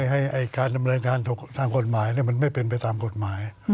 ให้การดำเนินการทางกฎหมายมันไม่เป็นไปตามกฎหมาย